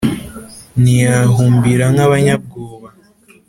ntiyahumbira nk' abanyabwoba